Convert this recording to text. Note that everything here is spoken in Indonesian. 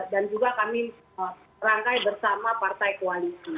dan juga kami rangkai bersama partai kualitas